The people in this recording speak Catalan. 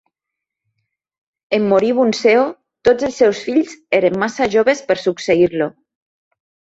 En morir Bunseo, tots els seus fills eren massa joves per succeir-lo.